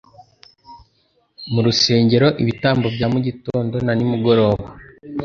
Mu rusengero, ibitambo bya mugitondo na nimugoroba